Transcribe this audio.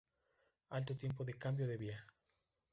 Alto tiempo de cambio de vía.